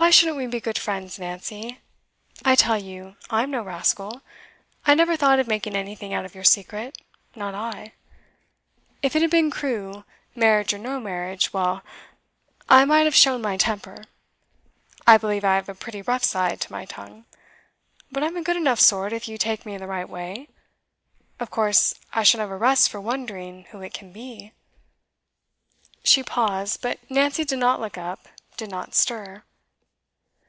'Why shouldn't we be good friends, Nancy? I tell you, I am no rascal. I never thought of making anything out of your secret not I. If it had been Crewe, marriage or no marriage well, I might have shown my temper. I believe I have a pretty rough side to my tongue; but I'm a good enough sort if you take me in the right way. Of course I shall never rest for wondering who it can be ' She paused, but Nancy did not look up, did not stir.